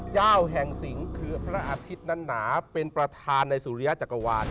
เจ้าแห่งสิงศ์คือพระอาทิตย์นั้นหนาเป็นประธานในสุริยจักรวาล